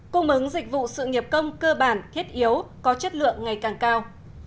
cung ứng dịch vụ sự nghiệp công cơ bản thiết yếu có chất lượng ngày càng cao